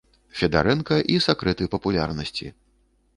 Федарэнка і сакрэты папулярнасці.